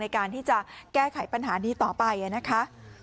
ในการที่จะแก้ไขปัญหานี้ต่อไปนะคะ